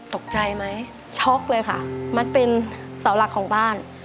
ตกใจไหมช็อกเลยค่ะมัดเป็นเสาหลักของบ้าน